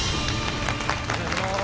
お願いします。